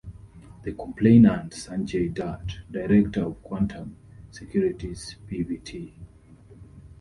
The complainant, Sanjay Dutt, Director of Quantum Securities Pvt.